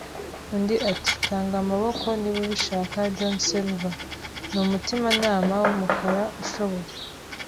Undi ati: "Tanga amaboko, niba ubishaka, John Silver". “Ni umutimanama w'umukara ushobora